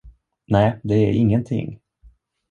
Nej, det är ingenting.